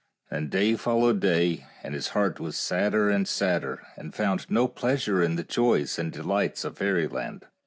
And day followed day, and his heart was sadder and sadder, and found no pleasure in the joys and delights of fairyland.